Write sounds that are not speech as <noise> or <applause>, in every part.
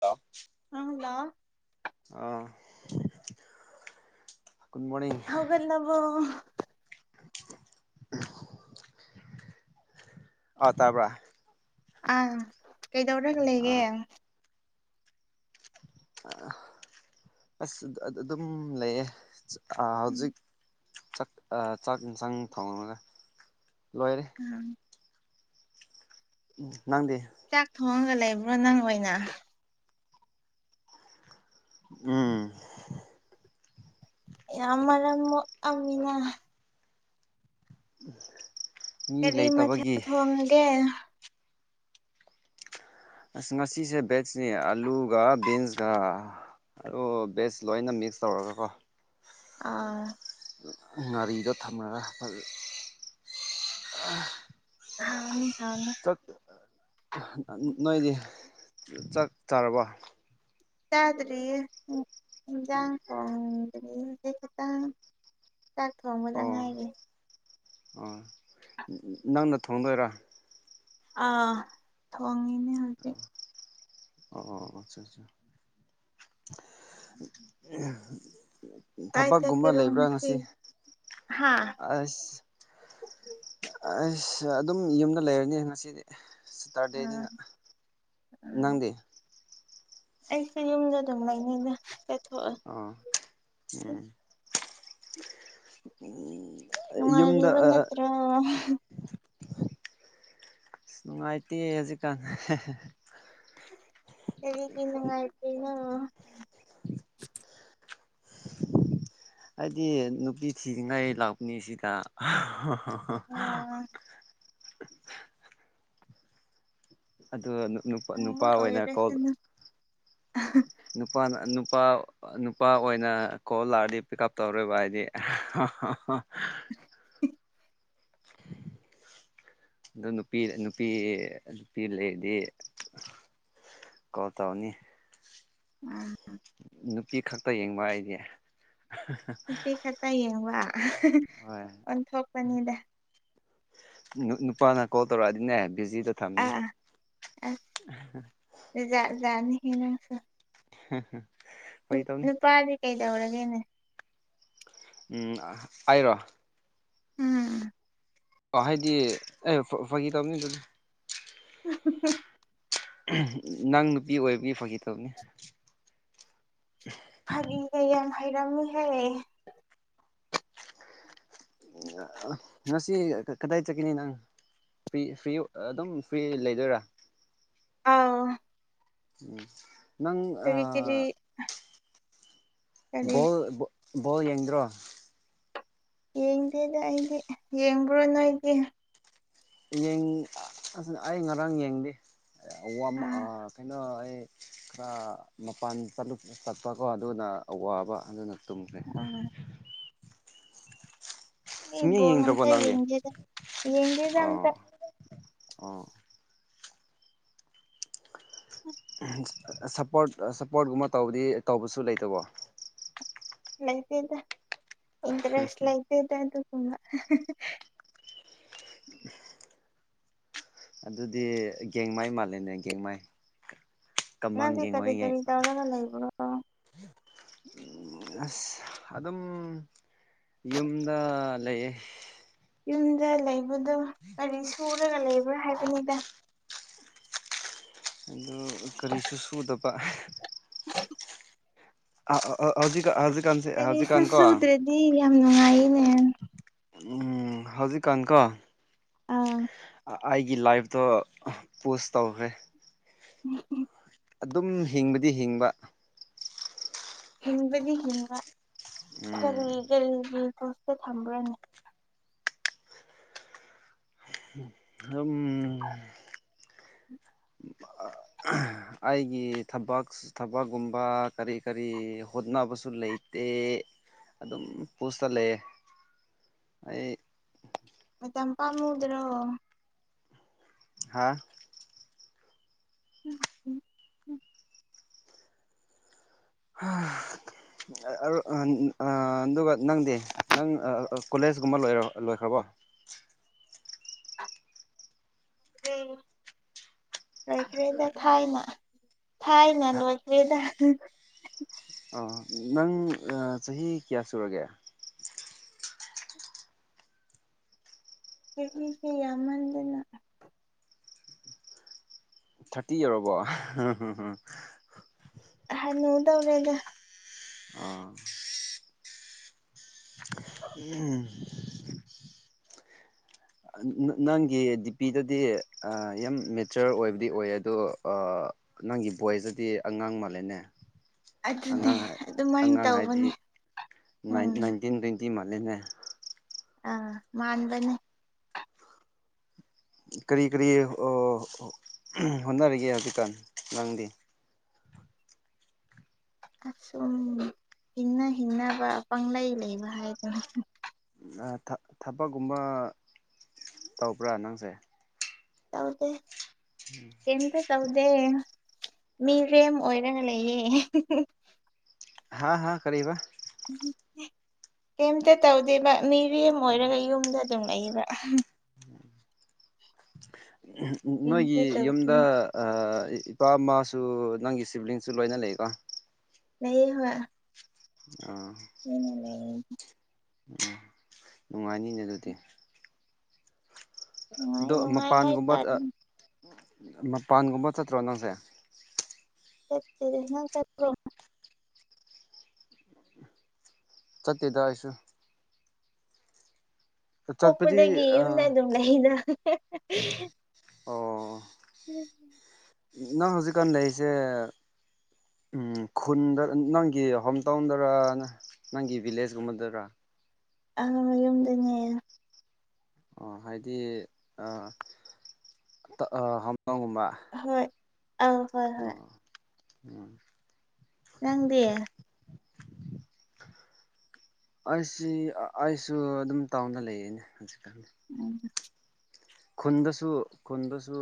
Hello ꯑ <unintelligible> ꯑ good ꯃꯣꯅꯤꯡ ꯍꯧꯒꯠꯂꯕꯣ ꯑ ꯇꯥꯕꯔꯥ ꯑꯥ ꯀꯩꯗꯧꯔꯒ ꯂꯩꯒꯦ ꯑꯥ ꯑꯁ ꯑꯗꯨꯝ ꯂꯩꯌꯦ ꯍꯧꯖꯤꯛ ꯆꯥꯛ ꯑꯦꯟꯁꯪ ꯊꯣꯡꯕꯅꯦ ꯂꯣꯏꯔꯦ ꯎꯝ ꯎꯝ ꯅꯪꯗꯤ ꯆꯥꯛ ꯊꯣꯡꯉꯒ ꯂꯩꯕ꯭ꯔꯣ ꯅꯪ ꯑꯣꯏꯅ ꯎꯝ ꯌꯥꯝ ꯃꯔꯝ ꯅꯣꯛ ꯑꯃꯃꯤꯅꯥ ꯎꯝ <unintelligible> ꯀꯔꯤ ꯃꯊꯦꯜ ꯊꯣꯡꯉꯒꯦ ꯑꯁ ꯉꯁꯤꯁꯦ ꯕꯦꯖꯅꯦ ꯑꯂꯨꯒ ꯕꯤꯟꯁꯀ ꯑꯂꯨ ꯚꯦꯖ ꯂꯣꯏꯅ ꯃꯤꯛꯁ ꯇꯧꯔꯒꯀꯣ ꯑꯥ ꯉꯥꯔꯤꯗ ꯊꯝꯂꯒ ꯐ <unintelligible> ꯍꯥꯡꯅꯤ ꯍꯅꯦ <unintelligible> ꯅꯣꯏꯗꯤ ꯆꯥꯛ ꯆꯥꯔꯕꯣ ꯆꯥꯗꯔꯤꯑ ꯍꯦꯟ ꯖꯥꯡ ꯊꯣꯡꯉꯏ ꯍꯧꯖꯤꯛꯇ ꯆꯥꯛ ꯊꯣꯡ ꯕ ꯗ ꯉꯥꯏꯔꯤ ꯑ ꯅꯪꯅ ꯊꯣꯡꯗꯣꯏꯔꯥ ꯑꯥ ꯊꯣꯡꯉꯤꯅꯦ ꯑꯣ ꯑꯆꯥ ꯑꯠꯆꯥ ꯀꯥꯏ ꯊꯕꯛꯀꯨꯝꯕ ꯆꯠꯀꯦꯔꯣ ꯂꯩꯕ꯭ꯔꯥ ꯉꯁꯤ ꯍꯥꯥ ꯑꯁ ꯑꯩꯁ ꯑꯗꯨꯝ ꯌꯨꯝꯗ ꯂꯩꯔꯅꯤ ꯉꯁꯤꯗꯤ ꯁꯇꯔꯗꯦꯅꯤꯅ ꯎꯝ ꯎꯝ ꯅꯪꯗꯤ ꯑꯩꯁꯨ ꯌꯨꯝꯗ ꯑꯗꯨꯝ ꯂꯩꯅꯤꯗ ꯆꯠꯊꯣꯛꯑꯣꯏ ꯑꯣ ꯎꯝ ꯌꯨꯝꯗ ꯅꯨꯡꯉꯥꯏꯔꯤꯕ ꯑ ꯅꯠꯇ꯭ꯔꯣ ꯅꯨꯡꯉꯥꯏꯇꯦ ꯍꯧꯖꯤꯛꯀꯥꯟ ꯍꯦꯍꯦ ꯀꯔꯤꯒꯤ ꯅꯨꯡꯉꯥꯏꯇ꯭ꯔꯤꯅꯣ <inaudible> <inaudible> ꯑꯗꯤ ꯅꯨꯄꯤ ꯊꯤꯅꯤꯡꯉꯥꯏ ꯂꯥꯛꯄꯅꯤ ꯁꯤꯗ <inaudible> ꯑꯗꯨ ꯅꯨꯞ ꯅꯨꯞ ꯍꯪꯕ ꯅꯨꯄꯥ ꯑꯣꯏꯅ ꯀꯣꯜ ꯑꯣꯏꯔꯁꯅꯨ ꯅꯨꯄꯥꯅ ꯅꯨꯄꯥ ꯅꯨꯄꯥ ꯑꯣꯏꯅ ꯀꯣꯜ ꯂꯥꯛꯔꯗꯤ ꯄꯤꯛꯎꯞ ꯇꯧꯔꯣꯏꯕ ꯑꯩꯗꯤ ꯑꯗꯣ ꯅꯨꯄꯤ ꯅꯨꯄꯤ ꯅꯨꯄꯤ ꯂꯩꯔꯗꯤ ꯀꯧ ꯇꯥꯎꯅꯤ ꯎꯝ ꯅꯨꯄꯤ ꯈꯛꯇ ꯌꯦꯡꯕ ꯑꯩꯗꯤ ꯑꯍ ꯅꯨꯄꯤ ꯈꯛꯇ ꯌꯦꯡꯕ ꯍꯣꯏ ꯑꯣꯟꯊꯣꯛꯄꯅꯤꯗ ꯅꯨ ꯅꯨꯄꯥꯅ ꯀꯣꯜ ꯇꯧꯔꯛꯑꯗꯤꯅꯦ ꯕꯤꯖꯤꯗ ꯊꯝꯅꯤ ꯑꯥ <inaudible> <inaudible> ꯖꯥꯠꯖꯥꯠꯅꯤꯍꯦ ꯅꯪꯁꯨ ꯍꯍ ꯅꯨꯄꯥꯗꯤ ꯀꯩꯗꯧꯔꯒꯦꯅꯦ ꯎꯝ ꯑꯩꯔꯣ ꯎꯝ ꯑ ꯍꯥꯏꯗꯤ ꯑꯦ ꯐ ꯐꯒꯤ ꯇꯕꯅꯤ ꯑꯗꯨꯗꯤ ꯎꯝꯍꯝꯍꯝ ꯅꯪ ꯅꯨꯄꯤ ꯑꯣꯏꯕꯒꯤ ꯐꯒꯤ ꯇꯧꯕꯅꯤ ꯐꯥꯒꯤꯒ ꯌꯥꯝ ꯍꯩꯔꯝꯃꯤꯍꯦ <inaudible> ꯉꯁꯤ ꯀꯗꯥꯏ ꯆꯠꯀꯅꯤ ꯅꯪ ꯐ꯭ꯔꯤ ꯐ꯭ꯔꯤ ꯑꯗꯨꯝ ꯐ꯭ꯔꯤ ꯂꯩꯗꯣꯏꯔꯥ ꯑꯥꯎ <inaudible> ꯅꯪ ꯀꯔꯤ ꯀꯔꯤ ꯑꯥ ꯀꯔꯤ ꯕꯣꯜ ꯕ ꯕꯣꯜ ꯌꯦꯡꯗ꯭ꯔꯣ ꯌꯦꯡꯗꯦꯗ ꯑꯩꯗꯤ ꯌꯦꯡꯕ꯭ꯔꯣ ꯅꯣꯏꯗꯤ ꯌꯦꯡ ꯑꯥ ꯑꯩ ꯉꯔꯥꯡ ꯌꯦꯡꯗꯦ ꯑꯥ <inaudible> ꯀꯩꯅꯣ ꯑꯩ ꯈ꯭ꯔꯥ ꯃꯄꯥꯟ ꯆꯠꯂꯨ ꯆꯠꯄꯀꯣ ꯑꯗꯨꯅ ꯑꯋꯥꯕ ꯑꯗꯨꯅ ꯇꯨꯝꯈ꯭ꯔꯦ ꯑꯥ ꯑꯩ ꯁꯨꯡꯌꯦꯡ ꯕꯣꯜ ꯌꯦꯡꯗ꯭ꯔꯕꯣ ꯑꯝꯇ ꯅꯪꯗꯤ ꯌꯦꯡꯗꯦꯗ ꯌꯦꯡꯗꯦꯗ ꯑꯣ ꯑꯝꯇ <inaudible> <inaudible> ꯁꯞꯄꯣꯔꯠ ꯁꯞꯄꯣꯔꯠꯀꯨꯝꯕ ꯇꯧꯕꯗꯤ ꯇꯧꯕꯁꯨ ꯂꯩꯇꯕꯣ ꯂꯩꯇꯦꯗ ꯏꯟꯇꯔꯦꯁ ꯂꯩꯇꯗ ꯑꯗꯨꯒꯨꯝꯕ ꯑꯗꯨꯗꯤ ꯒꯦꯡꯃꯥꯏ ꯃꯥꯜꯂꯦꯅꯦ ꯒꯦꯡꯃꯥꯏ ꯀꯃꯥꯡ ꯅꯪꯗꯤ ꯀꯔꯤ ꯒꯦꯡꯃꯥꯏ ꯒꯦꯡ ꯀꯔꯤ ꯇꯧꯔꯒ ꯂꯩꯕꯔꯣ ꯑꯁ ꯑꯗꯨꯝ ꯌꯨꯝꯗ ꯂꯩꯌꯦ ꯌꯨꯝꯗ ꯂꯩꯕꯗꯨ ꯀꯔꯤ ꯁꯨꯔꯒ ꯂꯩꯕ꯭ꯔꯥ ꯍꯥꯏꯕꯅꯤꯗ ꯑꯗꯨ ꯀꯔꯤꯁꯨ ꯁꯨꯗꯕ ꯑꯥ ꯑꯥ ꯑꯥ ꯍꯧꯖꯤꯀꯥꯟ ꯍꯖꯤꯀꯥꯟꯖꯦ ꯍꯧꯖꯤꯀꯥꯟ ꯀꯣ ꯗꯤ ꯔꯥꯝ ꯅꯨꯡꯉꯥꯏꯌꯤꯅꯦ ꯎꯝ ꯍꯧꯖꯤꯛꯀꯥꯟ ꯀꯣ ꯑꯥ ꯑꯩꯒꯤ ꯂꯥꯏꯐꯇꯣ ꯄꯨꯁ ꯇꯧꯈ꯭ꯔꯦ <inaudible> ꯑꯗꯨꯝ ꯍꯤꯡꯕꯗꯤ ꯍꯤꯡꯕ ꯍꯤꯡꯕꯗꯤ ꯍꯤꯡꯕ ꯎꯝ ꯀꯔꯤ ꯀꯔꯤꯒꯤ ꯄꯣꯁꯇ ꯊꯝꯕ꯭ꯔꯥꯅꯦ ꯍꯝ <inaudible> ꯑꯩꯒꯤ ꯊꯕꯛꯁ ꯊꯕꯛꯒꯨꯝꯕ ꯀꯔꯤ ꯀꯔꯤ ꯍꯣꯠꯅꯕꯁꯨ ꯂꯩꯇꯦ ꯑꯗꯨꯝ ꯄꯨꯁꯇꯥ ꯂꯩꯌꯦ ꯑꯩ ꯃꯇꯝ ꯄꯥꯝꯃꯨꯗ꯭ꯔꯣ ꯍꯥꯥ <unintelligible> ꯍꯥ ꯑꯔꯨ ꯑꯗꯨꯒ ꯅꯪꯗꯤ ꯅꯪ ꯀꯣꯂꯦꯖꯒꯨꯝꯕ ꯂꯣꯏꯔꯤ ꯂꯣꯏꯈ꯭ꯔꯥꯕꯣ ꯔꯩ ꯂꯣꯢꯈ꯭ꯔꯦꯗ ꯊꯥꯏꯅꯦ ꯊꯥꯏꯅ ꯂꯣꯏꯈ꯭ꯔꯦꯗ ꯑ ꯅꯪ ꯆꯍꯤ ꯀꯌꯥ ꯁꯨꯔꯒꯦ ꯆꯍꯤꯁꯦ ꯌꯥꯝꯃꯟꯗꯅ ꯊꯥꯔꯇꯤ ꯌꯧꯔꯕꯣ ꯍꯥꯅꯨꯗꯧꯔꯦꯗꯥ ꯑꯥ <inaudible> ꯅꯪꯒꯤ ꯗꯤꯄꯤꯗꯗꯤ ꯌꯥꯝ ꯃꯦꯆꯤꯌꯣꯔ ꯑꯣꯏꯕꯗꯤ ꯑꯣꯏꯌꯦ ꯑꯗꯣ ꯑꯥ ꯅꯪꯒꯤ ꯚꯣꯏꯁꯇꯗꯤ ꯑꯉꯥꯡ ꯃꯥꯜꯂꯦꯅꯦ ꯑꯗꯨꯅꯦ ꯑꯉꯥꯡ ꯑꯗꯨꯃꯥꯏꯅ ꯑꯉꯥꯡ ꯍꯥꯏꯗꯤ ꯇꯧꯕꯅꯦ ꯎꯝ ꯅꯥꯏꯟꯇꯤꯟ ꯇ꯭ꯋꯦꯟꯇꯤ ꯃꯥꯜꯂꯦꯅꯦ ꯑꯥ ꯃꯥꯟꯕꯅꯦ ꯀꯔꯤ ꯀꯔꯤ ꯍꯣꯠꯅꯔꯤꯒꯦ ꯍꯧꯖꯤꯛꯀꯥꯟ ꯅꯪꯗꯤ ꯑꯁꯨꯝ ꯍꯤꯡꯅ ꯍꯤꯡꯅꯕ ꯄꯪꯂꯩ ꯂꯩꯕ ꯍꯥꯏꯗꯨꯅꯤ ꯊꯕꯛꯀꯨꯝꯕ ꯇꯧꯕ꯭ꯔꯥ ꯅꯪꯖꯦ ꯇꯧꯗꯦ ꯀꯩꯝꯇ ꯇꯧꯗꯦ ꯃꯤꯔꯦꯝ ꯑꯣꯏꯔꯒ ꯂꯩꯌꯦ ꯍꯥ ꯍꯥ ꯀꯔꯤꯕꯥ ꯀꯩꯝꯇ ꯇꯧꯗꯦꯕ ꯃꯤꯔꯦꯝ ꯑꯣꯏꯔꯒ ꯌꯨꯝꯗ ꯗꯨꯝ ꯂꯩꯌꯦꯕ ꯀꯩꯝꯇ ꯅꯣꯏꯒꯤ ꯇꯧꯗꯦ ꯌꯨꯝꯗ ꯑ ꯏꯄꯥ ꯃꯥꯁꯨ ꯅꯪꯒꯤ ꯁꯤꯕ꯭ꯂꯤꯡꯁꯨ ꯂꯣꯏꯅ ꯂꯩꯀꯣ ꯂꯩꯌꯦ ꯍꯣꯢ ꯑꯥ <inaudible> ꯎꯝ ꯅꯨꯡꯉꯥꯏꯅꯤꯅꯦ ꯑꯗꯨꯗꯤ ꯅꯨꯡꯉꯥꯏ ꯑꯗꯣ ꯅꯨꯡꯉꯥꯏ ꯃꯄꯥꯟꯒꯨꯝꯕ ꯍꯥꯏꯇꯥꯔꯦ ꯃꯄꯥꯟꯒꯨꯝꯕ ꯆꯠꯇ꯭ꯔꯣ ꯅꯪꯁꯦ ꯆꯠꯇꯦꯗꯥ ꯅꯪ ꯆꯠꯄ꯭ꯔꯣ ꯆꯠꯇꯦꯗ ꯑꯩꯁꯨ ꯆꯠꯄꯗꯤ ꯄꯣꯛꯄꯗꯒꯤ ꯌꯨꯝꯗ ꯑꯗꯨꯝ ꯂꯩꯗ ꯑꯣ ꯅꯪ ꯍꯧꯖꯤꯛꯀꯥꯟ ꯂꯩꯁꯦ ꯎꯝ ꯈꯨꯟꯗ ꯅꯪꯒꯤ ꯍꯣꯝ ꯇꯥꯎꯟꯗꯔ ꯅ ꯅꯪꯒꯤ ꯚꯤꯂꯦꯖꯀꯨꯝꯕꯗꯔꯥ ꯑ ꯌꯨꯝꯗꯅꯦ ꯑꯣ ꯍꯥꯏꯗꯤ ꯍꯦꯝꯗꯣꯡꯒꯨꯝꯕ ꯍꯣꯏ ꯑꯧ ꯍꯣꯏ ꯍꯣꯏ ꯑꯣ ꯎꯝ ꯅꯪꯗꯤ ꯑꯩꯁꯤ ꯑꯩꯁꯨ ꯑꯗꯨꯝ ꯇꯥꯎꯟꯗ ꯂꯩꯌꯦꯅꯦ ꯍꯧꯖꯤꯛꯀꯥꯟ <inaudible> ꯈꯨꯟꯗꯁꯨ ꯈꯨꯟꯗꯁꯨ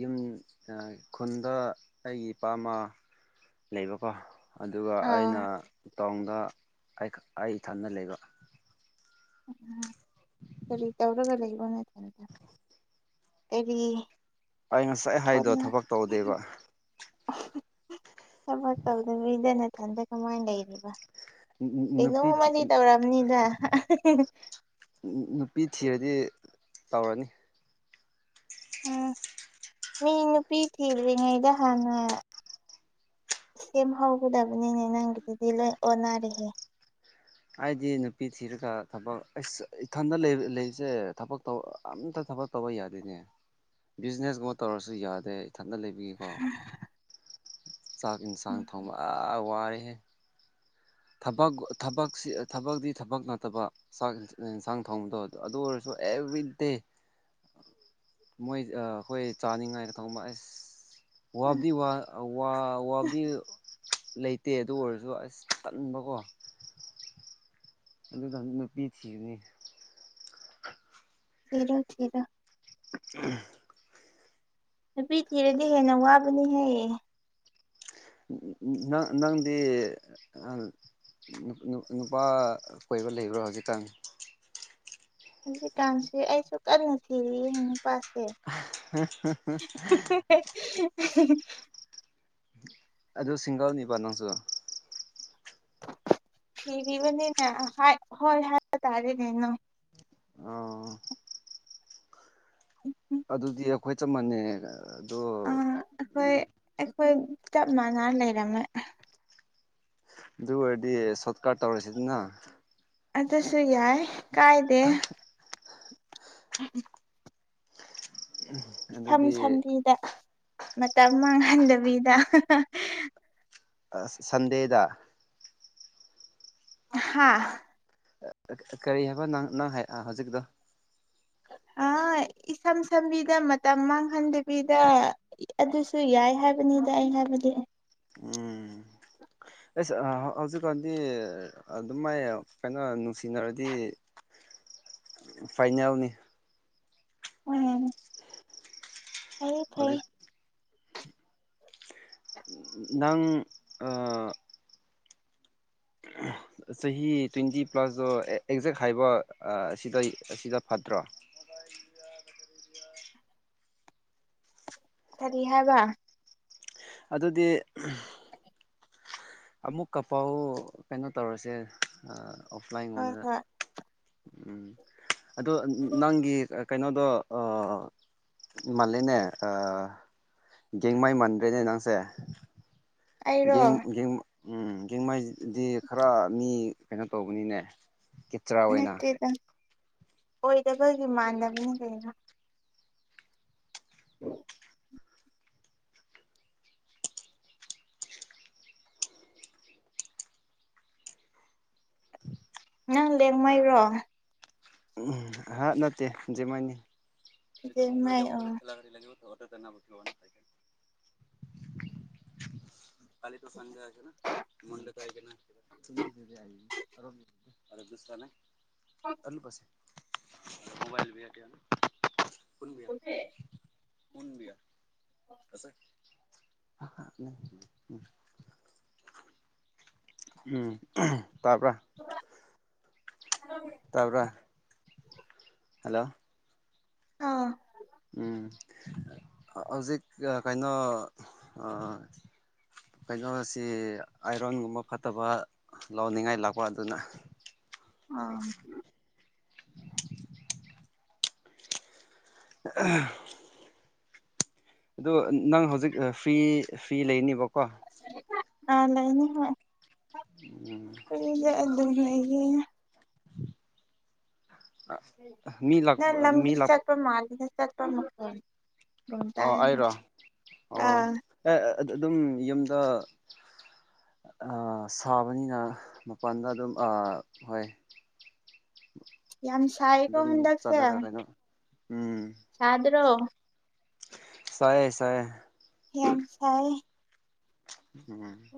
ꯌꯨꯝ ꯈꯨꯟꯗ ꯑꯩꯒꯤ ꯏꯄꯥꯃꯥ ꯂꯩꯕꯀꯣ ꯑꯗꯨꯒ ꯑꯩꯅ ꯑꯥ ꯇꯥꯎꯟꯗ ꯑꯩ ꯏꯊꯟꯗ ꯂꯩꯕ ꯎꯝ ꯀꯔꯤ ꯇꯧꯔꯒ ꯂꯩꯕꯅ ꯑꯦꯔꯤ ꯑꯩ ꯉꯁꯥꯏ ꯍꯥꯏꯗꯣ ꯊꯕꯛ ꯇꯧꯗꯦꯕ ꯊꯕꯛ ꯇꯧꯗꯕꯤꯗ ꯅꯊꯟꯗ ꯀꯃꯥꯏꯅ ꯂꯩꯔꯤꯕ ꯅꯨꯄꯤ ꯀꯩꯅꯣꯃꯃꯗꯤ ꯇꯧꯔꯝꯅꯤꯗ ꯅꯨꯄꯤ ꯊꯤꯔꯗꯤ ꯇꯧꯔꯅꯤ ꯎꯝ ꯃꯤ ꯅꯨꯄꯤ ꯊꯤꯗ꯭ꯔꯤꯉꯩꯗ ꯍꯥꯟꯅ ꯁꯦꯝ ꯍꯧꯒꯗꯕꯅꯤꯅꯦ ꯅꯪꯒꯤꯗꯨꯗꯤ ꯂꯣꯏ ꯑꯣꯟꯅꯔꯤꯍꯦ ꯑꯩꯗꯤ ꯅꯨꯄꯤ ꯊꯤꯔꯒ ꯊꯕꯛ ꯑꯩ ꯏꯊꯟꯗ ꯂꯩꯔꯤꯁꯦ ꯊꯕꯛ ꯇꯧ ꯑꯝꯇ ꯊꯕꯛ ꯇꯧꯕ ꯌꯥꯗꯣꯏꯅꯦ ꯕꯤꯖꯤꯅꯦꯁꯒꯨꯝꯕ ꯇꯧꯔꯁꯨ ꯌꯥꯗꯦ ꯏꯊꯟꯗ ꯂꯩꯕꯒꯤ ꯑꯣ ꯆꯥꯛ ꯌꯦꯟꯁꯥꯡ ꯎꯝ ꯊꯣꯡꯕ ꯋꯥꯔꯦꯍꯦ ꯊꯕꯛ ꯊꯕꯛ ꯊꯕꯛꯇꯤ ꯊꯕꯛ ꯅꯠꯇꯕ ꯆꯥꯛ ꯌꯦꯟꯁꯥꯡ ꯊꯣꯡꯕꯗꯣ ꯑꯗꯨ ꯑꯣꯏꯔꯁꯨ ꯑꯦꯚ꯭ꯔꯤꯗꯦ ꯃꯣꯏ ꯑꯩꯈꯣꯏ ꯆꯥꯅꯤꯡꯉꯥꯏꯗ ꯊꯣꯡꯕ ꯑꯁ ꯎꯝ ꯋꯥꯕꯨꯗꯤ ꯋꯥꯕꯨꯗꯤ ꯂꯩꯇꯦ ꯑꯗꯨ ꯑꯣꯏꯔꯁꯨ ꯑꯁ ꯇꯠꯕꯀꯣ ꯑꯗꯨꯗ ꯅꯨꯄꯤ ꯊꯤꯔꯅꯤ ꯊꯤꯔꯣ ꯊꯤꯔꯣ <inaudible> ꯅꯨꯄꯤ ꯊꯤꯔꯗꯤ ꯍꯦꯟꯅ ꯋꯥꯕꯅꯤꯍꯦ ꯎꯝ ꯅꯪ ꯅꯪꯗꯤ ꯑ ꯅꯨꯄꯥ ꯀꯣꯏꯕ ꯂꯩꯕ꯭ꯔꯣ ꯍꯧꯖꯤꯛ ꯀꯥꯟ ꯍꯧꯖꯤꯛꯀꯥꯟꯁꯤꯗꯤ ꯑꯩꯁꯨ ꯀꯟꯅ ꯊꯤꯔꯤꯅꯦ ꯅꯨꯄꯥꯁꯦ <inaudible> <inaudible> ꯑꯗꯨ ꯁꯤꯡꯒꯜꯅꯤꯕ ꯅꯪꯁꯨ ꯊꯤꯔꯤꯕꯅꯤꯅꯦ ꯍꯣꯏ ꯍꯥꯏꯕ ꯇꯥꯔꯦꯅꯦ ꯅ ꯑꯣ ꯑꯗꯨꯗꯤ ꯑꯩꯈꯣꯏ ꯆꯞ ꯃꯥꯟꯅꯦ ꯑꯗꯣ ꯑ ꯑꯩꯈꯣꯏ ꯑꯩꯈꯣꯏ ꯆꯞ ꯃꯥꯟꯅ ꯂꯩꯔꯝꯃꯦ ꯑꯗꯨ ꯑꯣꯏꯔꯗꯤ ꯁꯣꯔꯠꯀꯥꯠ ꯇꯧꯔꯁꯤꯅ ꯑꯗꯁꯨ ꯌꯥꯏ ꯀꯥꯏꯗꯦ ꯎꯝ <inaudible> ꯏꯁꯝ ꯑꯗꯨꯗꯤ ꯁꯝꯕꯤꯗ ꯃꯇꯝ ꯃꯥꯡꯍꯟꯗꯕꯤꯗ ꯁꯟꯗꯦꯗ ꯍꯥꯥ ꯀꯔꯤ ꯍꯥꯏꯕ ꯅꯪ ꯅꯪ ꯍꯥꯏ ꯍꯧꯖꯤꯛꯇꯣ ꯑ ꯏꯁꯝ ꯁꯝꯕꯤꯗ ꯃꯇꯝ ꯃꯥꯡꯍꯟꯗꯕꯤꯗ ꯑꯗꯨꯁꯨ ꯌꯥꯏ ꯍꯥꯏꯕꯅꯤꯗ ꯑꯩ ꯍꯥꯏꯕꯗꯤ꯫ ꯑꯦꯁ ꯍꯧꯖꯤꯛꯀꯥꯟꯗꯤ ꯑꯗꯨꯝ ꯃꯥꯏ ꯀꯩꯅꯣ ꯅꯨꯡꯁꯤꯅꯔꯗꯤ꯫ <inaudible> ꯐꯥꯏꯩꯅꯜꯅꯤ꯫ ꯎꯝ ꯐꯩꯌꯦ ꯍꯧꯖꯤꯛ ꯐꯩꯌꯦ꯫ ꯅꯪ ꯑꯥ <inaudible> ꯆꯍꯤ ꯇ꯭ꯋꯦꯟꯇꯤ ꯄ꯭ꯂꯁꯇꯣ ꯑꯦꯛꯖꯦꯛ ꯍꯥꯏꯕ ꯑꯁꯤꯗ ꯑꯁꯤꯗ ꯐꯠꯇ꯭ꯔꯣ ꯀꯔꯤ ꯍꯥꯏꯕ ꯑꯗꯨꯗꯤ ꯑꯃꯨꯛ ꯀꯄꯥꯎ ꯀꯩꯅꯣ ꯇꯧꯔꯁꯦ꯫ ꯍꯣꯏ ꯑꯣꯐꯂꯥꯏꯟꯒꯨꯝꯕꯗ ꯍꯣꯏ ꯎꯝ ꯑꯗꯣ ꯅꯪꯒꯤ ꯀꯩꯅꯣꯗꯣ ꯑꯥ ꯃꯥꯜꯂꯦꯅꯦ ꯒꯦꯡꯃꯥꯏ ꯃꯟꯗ꯭ꯔꯦꯅꯦ ꯅꯪꯁꯦ꯫ ꯑꯩꯔꯣ ꯖꯦꯡ ꯖꯦꯡ ꯎꯝ ꯖꯦꯡꯃꯥꯏꯗꯤ ꯈꯔ ꯃꯤ ꯀꯩꯅꯣ ꯇꯧꯕꯅꯤꯅꯦ꯫ ꯀꯦꯇ꯭ꯔꯥ ꯑꯣꯏꯅ ꯅꯠꯇꯦꯗ ꯑꯣꯏꯗꯕꯒꯤ ꯃꯥꯟꯗꯅꯤ ꯀꯩꯅꯣ꯫ <inaudible> ꯅꯪ ꯂꯦꯡꯉꯩꯔꯣ? ꯎꯝ ꯍꯥ ꯅꯇꯦ ꯖꯦꯡꯃꯥꯏꯅꯤ ꯫ <inaudible> ꯂꯦꯡꯃꯩ ꯑꯣ <unintelligible> <unintelligible> <unintelligible> <unintelligible> <unintelligible> ꯎꯝ ꯎꯝ ꯇꯥꯕꯔꯥ <unintelligible> ꯇꯥꯕꯔꯥ ꯍꯜꯂꯣ ꯑꯥ ꯎꯝ ꯍꯧꯖꯤꯛ ꯀꯩꯅꯣ ꯑꯥ ꯀꯩꯅꯣꯁꯤ ꯑꯥꯏꯔꯣꯟꯒꯨꯝꯕ ꯐꯠꯇꯕ ꯂꯥꯎꯅꯤꯡꯉꯥꯏ ꯂꯥꯛꯄ ꯑꯗꯨꯅ ꯑꯥ <inaudible> ꯑꯗꯣ ꯅꯪ ꯍꯧꯖꯤꯛ ꯐ꯭ꯔꯤ ꯐ꯭ꯔꯤ ꯂꯩꯅꯤꯕꯀꯣ ꯑꯥ ꯂꯩꯅꯤꯍꯦ ꯎꯝ ꯍꯥꯏꯗ ꯑꯗꯨꯝ ꯍꯥꯏꯌꯦ꯫ ꯃꯤ ꯂꯥꯛ ꯅꯪ ꯃꯤ ꯂꯝꯕꯤ ꯂꯥꯛꯄ ꯆꯠꯄ ꯃꯥꯜꯂꯦꯅ ꯆꯠꯄ ꯃꯈꯑꯣꯟ ꯝꯈꯣꯟ ꯑꯣ ꯇꯥꯏꯅ ꯑꯩꯔꯣ ꯑꯣ ꯑꯥ ꯑꯦ ꯑꯗꯨꯝ ꯌꯨꯝꯗ ꯁꯥꯕꯅꯤꯅ ꯃꯄꯥꯟꯗ ꯑꯗꯨꯝ ꯍꯣꯏ <inaudible> ꯌꯥꯝ ꯁꯥꯏꯀꯣ ꯑꯗꯨꯝ ꯍꯟꯗꯛꯁꯦ ꯆꯠꯂꯒ ꯀꯩꯅꯣ ꯁꯥꯗ꯭ꯔꯣ? ꯁꯌꯦ ꯁꯌꯦ꯫ ꯌꯥꯝ ꯁꯥꯏ꯫ ꯎꯝ